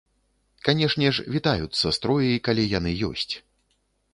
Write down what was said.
Канешне ж, вітаюцца строі, калі яны ёсць.